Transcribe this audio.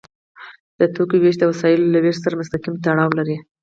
د توکو ویش د وسایلو له ویش سره مستقیم تړاو لري.